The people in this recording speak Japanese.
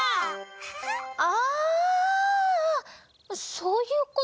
そういうこと？